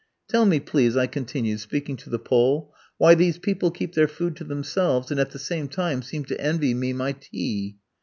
"Tell me, please," I continued, speaking to the Pole, "why these people keep their food to themselves, and at the same time seem to envy me my tea."